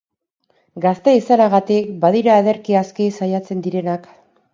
Gazte izanagatik, badira ederki aski saiatzen direnak.